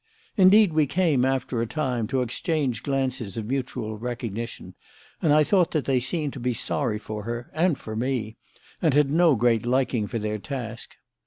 Indeed, we came, after a time, to exchange glances of mutual recognition, and I thought that they seemed to be sorry for her and for me, and had no great liking for their task.